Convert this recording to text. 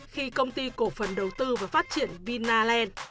khi công ty cổ phần đầu tư và phát triển vinaland